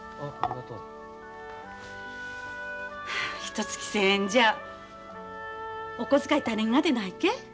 ひとつき１，０００円じゃお小遣い足りんがでないけ？